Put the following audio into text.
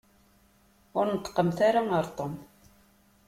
Ur neṭṭqemt ara ɣer Tom.